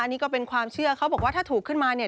นี่ก็เป็นความเชื่อเขาบอกว่าถ้าถูกขึ้นมาเนี่ย